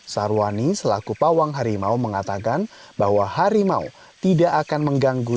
sarwani selaku pawang harimau mengatakan bahwa harimau tidak akan mengganggu